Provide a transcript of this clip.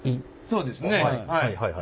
そうですねはい。